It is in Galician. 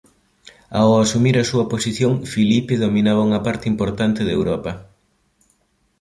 Ao asumir a súa posición Filipe dominaba unha parte importante de Europa.